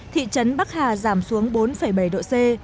thị trấn bắc hà giảm xuống bốn bảy độ c